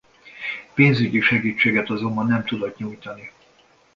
Pénzügyi segítséget azonban nem tudott nyújtani.